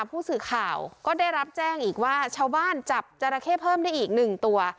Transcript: ผู้สื่อข่าวก็ได้รับแจ้งอีกว่าชาวบ้านจับจราเข้เพิ่มได้อีกหนึ่งตัว